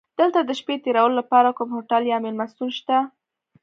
دلته د شپې تېرولو لپاره کوم هوټل یا میلمستون شته؟